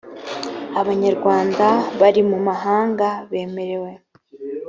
abanyarwanda bari mu mahanga bemerewe